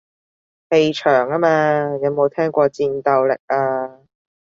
氣場吖嘛，有冇聽過戰鬥力啊